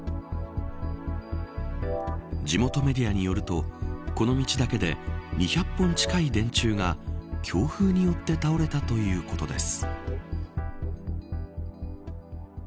地元メディアによるとこの道だけで２００本近い電柱が強風によって倒れたということです。